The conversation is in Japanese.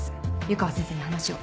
湯川先生に話を。